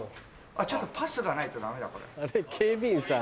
ちょっとパスがないとダメだこれ。